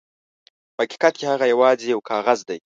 په حقیقت کې هغه یواځې یو کاغذ دی.